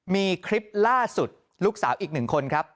มีคลิปล่าสุดลูกสาวอีกหนึ่งคนครับ